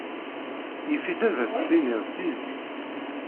Yif-it ad as-tiniḍ si zik.